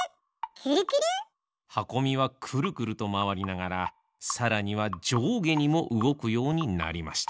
クルクル！はこみはクルクルとまわりながらさらにはじょうげにもうごくようになりました。